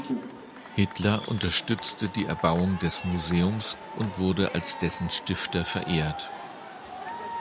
Hitler unterstützte die Erbauung des Museums und wurde als dessen Stifter verehrt.